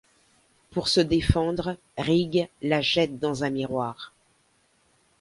Pour se défendre, Rigg la jette dans un miroir.